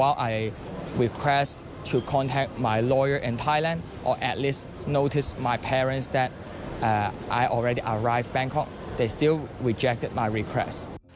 หรือพ่อพ่อพ่อที่มาบังกก็ยังไม่ได้